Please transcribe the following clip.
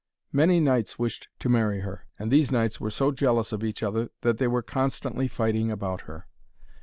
Many knights wished to marry her, and these knights were so jealous of each other that they were constantly fighting about her.